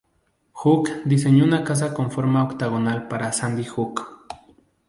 Hook diseñó una casa con forma octagonal para Sandy Hook.